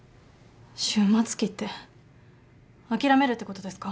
終末期って諦めるってことですか？